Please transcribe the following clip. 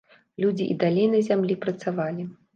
Людзі і далей на зямлі працавалі.